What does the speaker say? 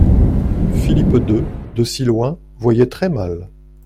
Philippe deux, de si loin, voyait très-mal.